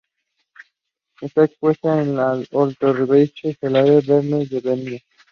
Está expuesta en la Österreichische Galerie Belvedere de Viena.